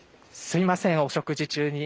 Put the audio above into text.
すみません。